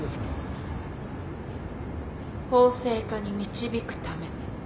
法制化に導くため。